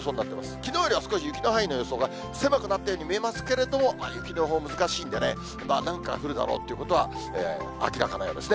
きのうよりは少し雪の範囲の予想が狭くなったように見えますけども、雪の予報、難しいんでね、なんか降るだろうということは明らかなようですね。